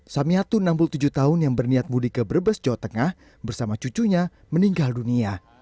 samiatun enam puluh tujuh tahun yang berniat mudik ke brebes jawa tengah bersama cucunya meninggal dunia